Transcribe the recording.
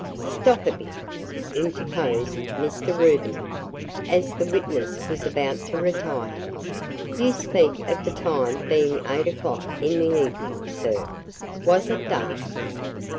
"Stop a bit," interposed Mr. Rubiny, as the witness was about to retire. "You speak of the time being eight o'clock in the evening, sir. Was it dark?"